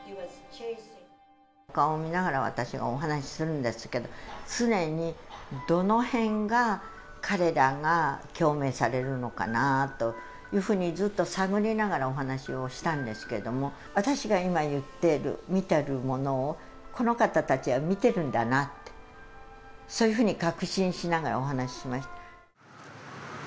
お顔を見ながら私はお話しするんですけど、常にどの辺が、彼らが共鳴されるのかなというふうに、ずっと探りながらお話をしたんですけれども、私が今言ってる、見てるものを、この方たちは見てるんだなって、そういうふうに確信しながらお話ししました。